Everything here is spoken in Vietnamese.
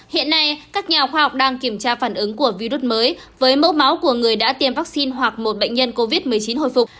hiện nay các nhà khoa học đang kiểm tra phản ứng của virus mới với mẫu máu của người đã tiêm vaccine hoặc một bệnh nhân covid một mươi chín hồi phục